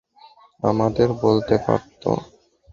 আমাদের বলতে পারতো।